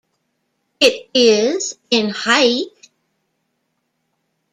It is in height.